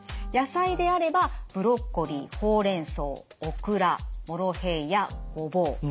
野菜であればブロッコリーほうれんそうオクラモロヘイヤごぼう。